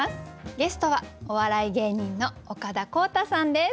ゲストはお笑い芸人の岡田康太さんです。